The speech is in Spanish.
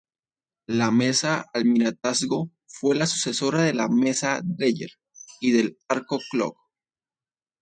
La mesa Almirantazgo fue la sucesora de las mesas Dreyer y del Argo Clock.